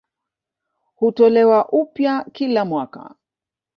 Hutolewa upya kila mwaka.